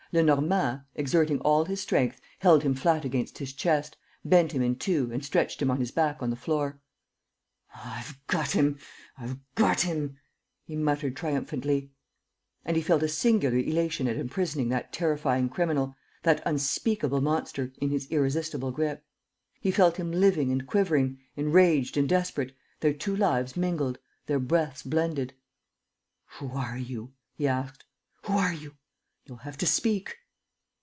Lenormand, exerting all his strength, held him flat against his chest, bent him in two and stretched him on his back on the floor. "Ah, I've got him, I've got him!" he muttered triumphantly. And he felt a singular elation at imprisoning that terrifying criminal, that unspeakable monster, in his irresistible grip. He felt him living and quivering, enraged and desperate, their two lives mingled, their breaths blended: "Who are you?" he asked. "Who are you? ... You'll have to speak.